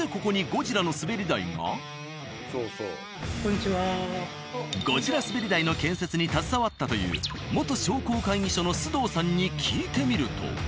ゴジラ滑り台の建設に携わったという元商工会議所の須藤さんに聞いてみると。